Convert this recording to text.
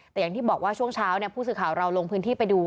แต่อย่างที่บอกว่าช่วงเช้าผู้สื่อข่าวเราลงพื้นที่ไปดู